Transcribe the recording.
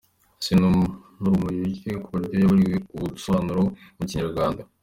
Ese n’ururimi ruke ku buryo yaburiwe ubusobanuro mu Kinyarwanda?